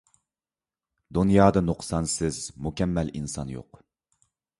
دۇنيادا نۇقسانسىز، مۇكەممەل ئىنسان يوق.